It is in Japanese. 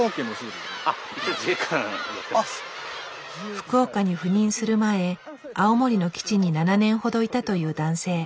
福岡に赴任する前青森の基地に７年ほどいたという男性。